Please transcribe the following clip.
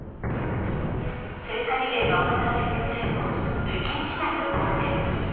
聖火リレーが行われる予定の北京市内の公園。